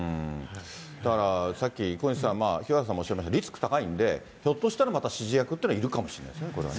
だから、さっき小西さん、清原さんおっしゃいましたが、リスク高いんで、ひょっとしたらまた指示役というのがいるかもしれませんね、これはね。